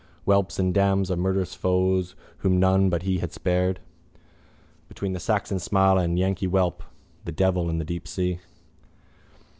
Whelps and dams of murderous foes whom none But we had spared... Between the Saxon smile and yankee yawp. The devil and the deep sea.